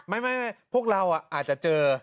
พวกเราอาจจะเจอ